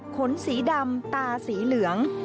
ขนสีดำตาสีเหลือง